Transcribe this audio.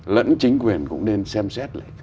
lẫn chính quyền cũng nên xem xét lại